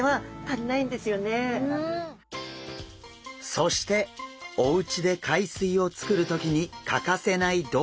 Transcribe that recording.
そしておうちで海水をつくる時に欠かせない道具が。